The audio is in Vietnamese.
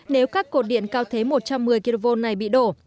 nếu các cột điện cao thế một trăm một mươi kv này bị đổ